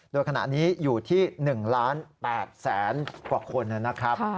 โดยขณะนี้อยู่ที่๑ล้าน๘แสนกว่าคนนะครับ